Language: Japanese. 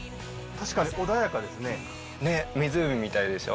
確かに穏やかですね。